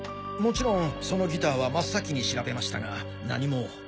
もちろんそのギターは真っ先に調べましたが何も。